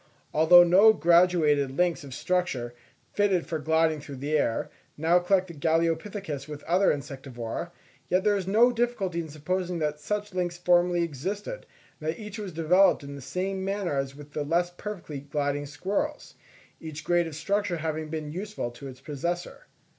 Although no graduated links of structure, fitted for gliding through the air, now connect the Galeopithecus with the other Insectivora, yet there is no difficulty in supposing that such links formerly existed, and that each was developed in the same manner as with the less perfectly gliding squirrels; each grade of structure having been useful to its possessor.